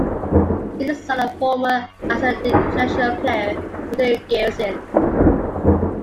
He is the son of former Icelandic international player Marteinn Geirsson.